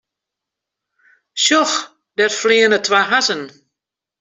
Sjoch, dêr fleane twa hazzen.